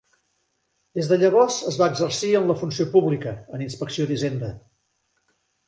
Des de llavors es va exercir en la funció pública, en Inspecció d'Hisenda.